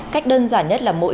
cách đơn giản nhất là mỗi người